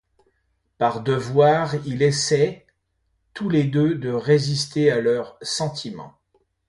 Par devoir, ils essaient tous les deux de résister à leurs sentiments.